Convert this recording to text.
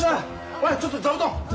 おいちょっと座布団。